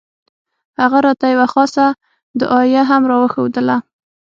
هغه راته يوه خاصه دعايه هم راوښووله.